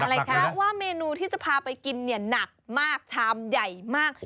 เพราะว่าเมนูที่จะพาไปกินเนี่ยหนักมากชามใหญ่มาก